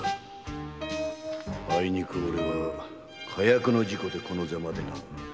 あいにくオレは火薬の事故でこのザマでな。